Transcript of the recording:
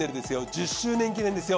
１０周年記念ですよ